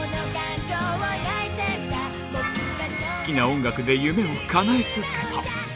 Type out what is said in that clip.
好きな音楽で夢をかなえ続けた。